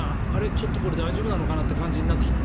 ちょっと大丈夫なのかなという感じになってきた。